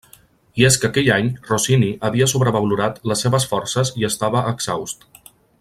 I és que aquell any Rossini havia sobrevalorat les seves forces i estava exhaust.